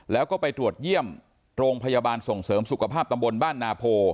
แล้วก็ไปตรวจเยี่ยมโรงพยาบาลส่งเสริมสุขภาพตำบลบ้านนาโพ